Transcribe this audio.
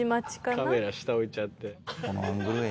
カメラ下置いちゃって。